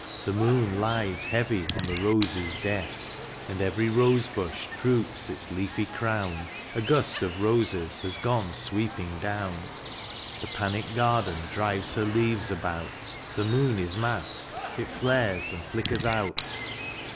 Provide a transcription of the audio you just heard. The moon lies heavy on the roses' death, And every rosebush droops its leafy crown. A gust of roses has gone sweeping down. The panicked garden drives her leaves about : The moon is masked : it flares and flickers out.